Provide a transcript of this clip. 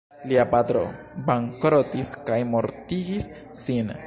Lia patro bankrotis kaj mortigis sin.